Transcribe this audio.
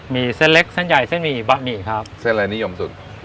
มีเส้นเล็กเส้นใหญ่เส้นหมี่บะหมี่ครับเส้นอะไรนิยมสุด